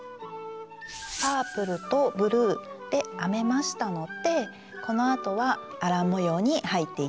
パープルとブルーで編めましたのでこのあとはアラン模様に入っていきます。